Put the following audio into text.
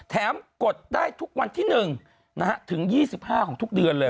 กดได้ทุกวันที่๑ถึง๒๕ของทุกเดือนเลย